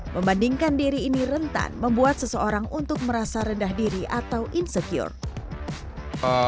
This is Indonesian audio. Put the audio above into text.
membandingkan diri ini rentan membuat seseorang untuk merasa rendah diri atau insecure